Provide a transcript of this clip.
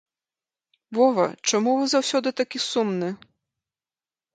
Вова, чаму вы заўсёды такі сумны?